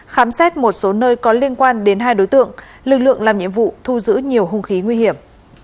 khám xét một số nơi có liên quan đến hai đối tượng lực lượng làm nhiệm vụ thu giữ nhiều hung khí nguy hiểm